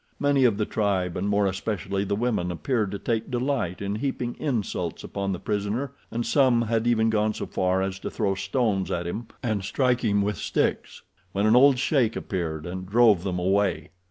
Many of the tribe, and more especially the women, appeared to take delight in heaping insults upon the prisoner, and some had even gone so far as to throw stones at him and strike him with sticks, when an old sheik appeared and drove them away.